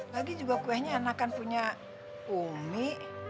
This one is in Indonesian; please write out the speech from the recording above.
lagi juga kuenya anak kan punya umi